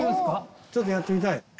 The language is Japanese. ちょっとやってみたい。